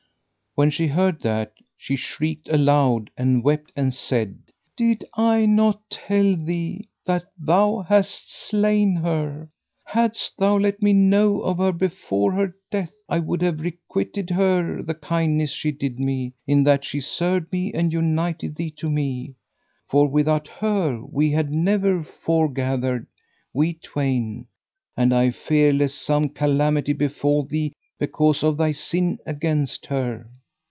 When she heard that, she shrieked aloud and wept and said, "Did I not tell thee that thou hast slain her? Hadst thou let me know of her before her death, I would have requited her the kindness she did me, in that she served me and united thee to me; for without her, we had never foregathered, we twain, and I fear lest some calamity befal thee because of thy sin against her."